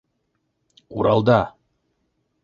Уралда!